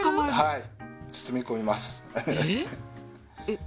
はい。